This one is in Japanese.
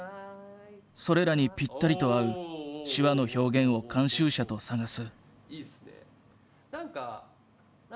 それらにピッタリと合う手話の表現を監修者と探す。